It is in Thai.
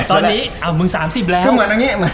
ตอนนี้อ้าวมึงแบบ๓๐แล้ว